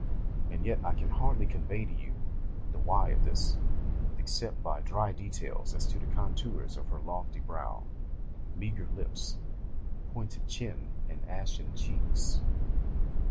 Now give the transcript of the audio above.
And yet I can hardly convey to you the why of this, except by dry details as to the contours of her lofty brow, meagre lips, pointed chin, and ashen cheeks.